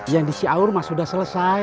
yang di ciaur mas sudah selesai